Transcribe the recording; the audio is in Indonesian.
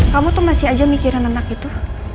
kamu tuh masih aja mikirin anak itu